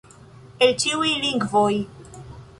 El ĉiuj lingvoj!